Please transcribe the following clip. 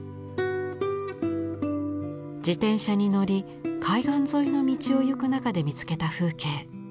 自転車に乗り海岸沿いの道を行く中で見つけた風景。